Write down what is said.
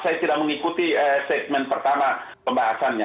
saya tidak mengikuti segmen pertama pembahasannya